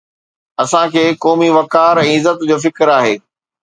اسان کي قومي وقار ۽ عزت جو فڪر آهي.